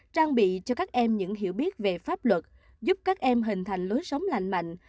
trang bị cho các em những hiểu biết về pháp luật giúp các em hình thành lối sống lành mạnh